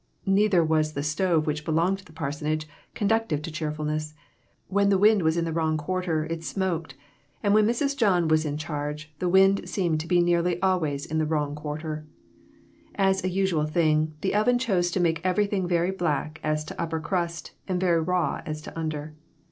Neither was the stove which belonged to the parsonage conducive to cheerfulness ; when the wind was in the wrong quarter, it smoked ; and when Mrs. John was in charge, the wind seemed to be nearly always in the wrong quarter. As a usual thing, the oven chose to make everything very black as to upper crust, and very raw as to under.